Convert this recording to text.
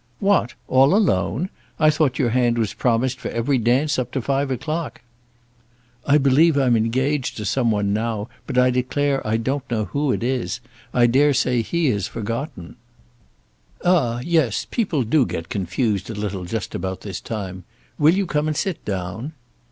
"What, all alone! I thought your hand was promised for every dance up to five o'clock." "I believe I'm engaged to some one now, but I declare I don't know who it is. I dare say he has forgotten." "Ah, yes; people do get confused a little just about this time. Will you come and sit down?"